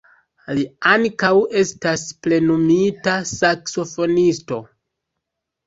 Li ankaŭ estas plenumita saksofonisto.